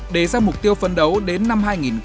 để ra mục tiêu phân đấu đến năm hai nghìn hai mươi năm